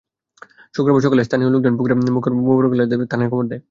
শুক্রবার সকালে স্থানীয় লোকজন পুকুরে মোবারকের লাশ দেখতে পেয়ে থানায় খবর দেয়।